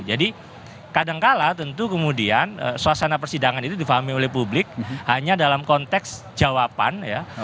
jadi kadangkala tentu kemudian suasana persidangan itu dipahami oleh publik hanya dalam konteks jawaban ya